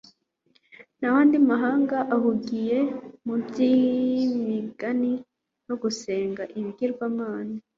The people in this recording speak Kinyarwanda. Naho andi mahanga ahugiye mu by'imigani no gusenga ibigirwamana